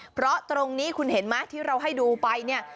เพราะตรงนี้คุณเห็นไหมที่เราให้ดูไปเนี่ย